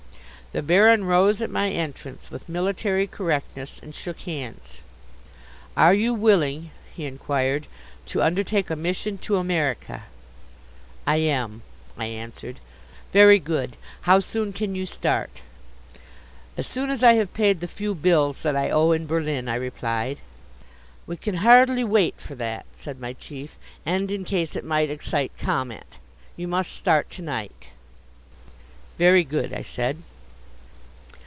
The Baron rose at my entrance with military correctness and shook hands. "Are you willing," he inquired, "to undertake a mission to America?" "I am," I answered. "Very good. How soon can you start?" "As soon as I have paid the few bills that I owe in Berlin," I replied. "We can hardly wait for that," said my chief, "and in case it might excite comment. You must start to night!" "Very good," I said.